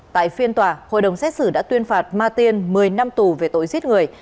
tại phiên tòa hội đồng xét xử đã tuyên phạt ma tiên một mươi năm tù về tội giết người